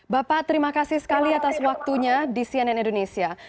bapak terima kasih sekali atas waktunya di cnn indonesia